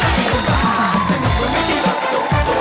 วันนี้นะคะเลยในรถมหาสนุกโด